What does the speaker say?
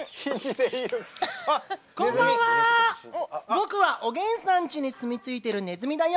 僕はおげんさんちに住み着いてるねずみだよ！